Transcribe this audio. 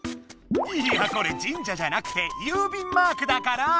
いやこれ神社じゃなくて郵便マークだから！